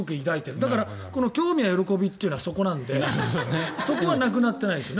だから、興味や喜びというのはそこなのでそこはなくなってないですね。